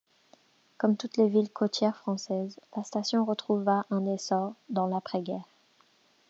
Comme toutes les villes côtières françaises, la station retrouva un essor dans l'après-guerre.